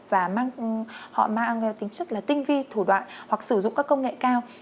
và họ mang tính chất là tinh vi thủ đoạn hoặc sử dụng các công nghệ cao